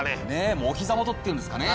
お膝元っていうんですかね。